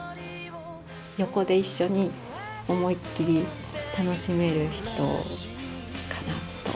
横で一緒に思いっきり楽しめる人かなと。